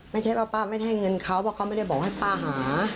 ไม่ใช่ว่าป้าไม่ได้เงินเขาเพราะเขาไม่ได้บอกให้ป้าหา